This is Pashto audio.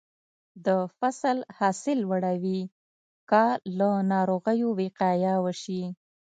د فصل حاصل لوړوي که له ناروغیو وقایه وشي.